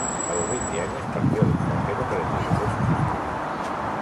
A los veinte años partió al extranjero para enriquecer sus estudios.